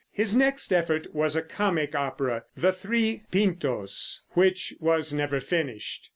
His next effort was a comic opera, the "Three Pintos," which was never finished.